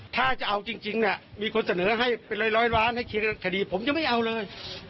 ถ้าจะเอาจริงเนี่ยมีคนเสนอให้เป็นร้อยล้านให้เคลียร์คดีผมยังไม่เอาเลย